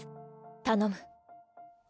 頼む。